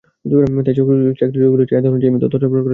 তাই চাকরি চলে গেলেও চাহিদা অনুযায়ী তথ্য সরবরাহ করা সম্ভব নয়।